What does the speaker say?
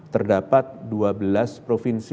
terdapat dua belas provinsi